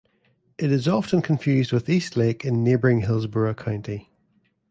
It is often confused with East Lake in neighboring Hillsborough County.